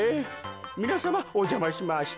みなさまおじゃましました。